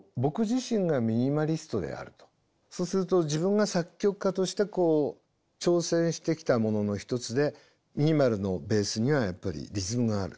そうすると自分が作曲家としてこう挑戦してきたものの一つでミニマルのベースにはやっぱりリズムがある。